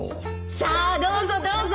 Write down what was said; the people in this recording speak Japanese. ・さあどうぞどうぞ。